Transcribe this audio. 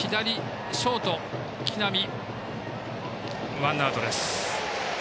ワンアウトです。